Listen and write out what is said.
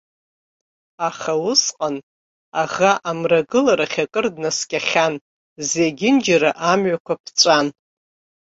Аха, усҟан, аӷа амрагыларахь акыр днаскьахьан, зегьынџьара амҩақәа ԥҵәан.